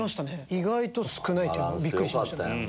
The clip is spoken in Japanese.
意外と少ないというかびっくりしましたね。